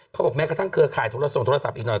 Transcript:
เขาบอกแม้กระทั่งเกอร์ขายโทรส่งโทรศัพท์อีกหน่อย